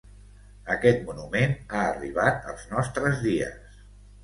Aquest monument ha arribat als nostres dies.